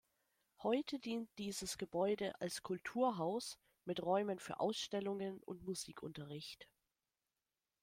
Heute dient dieses Gebäude als „Kulturhaus“ mit Räumen für Ausstellungen und Musikunterricht.